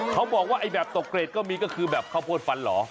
เขาบอกว่าไอ้แบบตกเกรดก็มีก็คือแบบข้าวโพดฟันเหรอ